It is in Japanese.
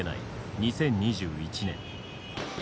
２０２１年。